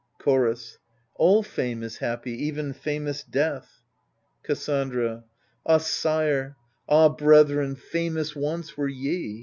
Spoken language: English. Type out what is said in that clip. Chorus All fame is happy, even famous death, Cassandra Ah sire, ah brethren, famous once were ye